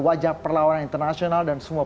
wajah perlawanan internasional dan semua